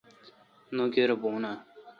نوکر بھون۔